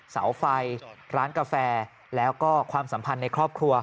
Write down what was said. เสาไฟร้านกาแฟแล้วก็ความสัมพันธ์ในครอบครัว